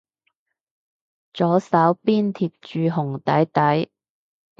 左手邊貼住紅底底